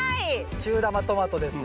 中玉トマトですよ